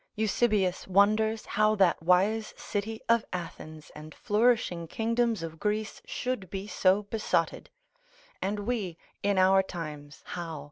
Eusebius wonders how that wise city of Athens, and flourishing kingdoms of Greece, should be so besotted; and we in our times, how.